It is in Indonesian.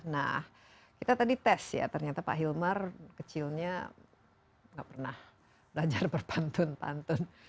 nah kita tadi tes ya ternyata pak hilmar kecilnya nggak pernah belajar berpantun pantun